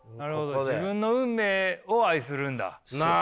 自分の運命を愛するんだ。